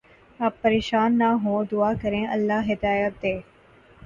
آپ پریشان نہ ہوں دعا کریں اللہ ہدایت دے